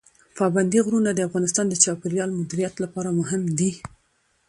پابندي غرونه د افغانستان د چاپیریال مدیریت لپاره مهم دي.